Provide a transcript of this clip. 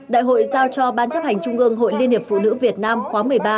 đại hội giao cho ban chấp hành trung ương hội liên hiệp phụ nữ việt nam khóa một mươi ba